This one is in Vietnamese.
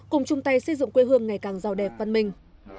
cùng chung tay xây dựng quê hương ngày càng giàu đẹp văn minh